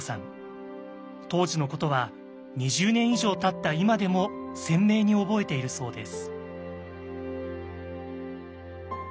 当時のことは２０年以上たった今でも鮮明に覚えているそうです。